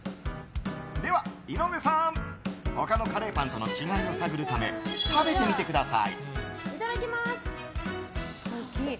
では、井上さん他のカレーパンとの違いを探るため食べてみてください。